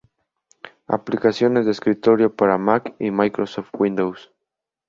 Aplicaciones de escritorio para Mac y Microsoft Windows.